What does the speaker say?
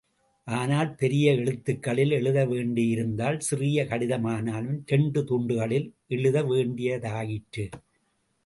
ஆனால் பெரிய எழுத்துகளில் எழுத வேண்டியிருந்ததால் சிறிய கடிதமானாலும் இரண்டு துண்டுகளில் எழுத வேண்டியதாயிற்று.